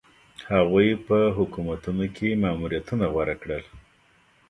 هغوی په حکومتونو کې ماموریتونه غوره کړل.